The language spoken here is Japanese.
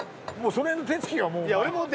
その辺の手つきがもうお前